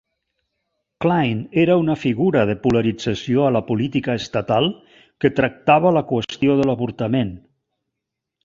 Kline era una figura de polarització a la política estatal, que tractava la qüestió de l"avortament.